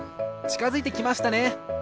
ちかづいてきましたね。